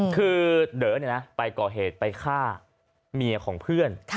คือเด๋อไปก่อเหตุไปฆ่าเมียของเพื่อน